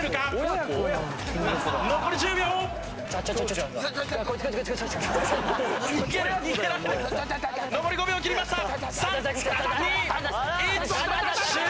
残り５秒切りました。